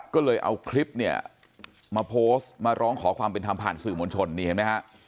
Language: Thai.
ก็เลยเอาคลิปเนี่ยมาโพสต์มาร้องขอความเป็นธรรมผ่านสื่อมวลชนนี่เห็นไหมฮะ